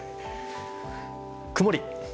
曇り！